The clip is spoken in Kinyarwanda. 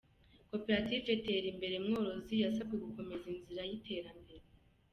Koperative Terimbere Mworozi yasabwe gukomeza inzira y’Iterambere